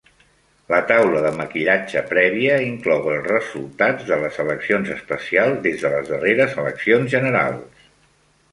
La taula de Maquillatge prèvia inclou els resultats de les eleccions especials des de les darreres eleccions generals.